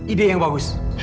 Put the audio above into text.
ide yang bagus